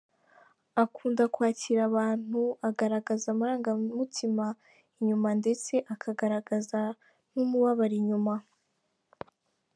Akunda kwakira abantu, agaragaza amarangamutima inyuma ndetse akagaragaza n’umubabaro inyuma.